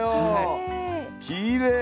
きれい！